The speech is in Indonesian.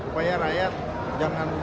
supaya rakyat jangan terbelah